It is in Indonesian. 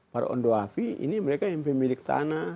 para ondo afi ini mereka yang pemilik tanah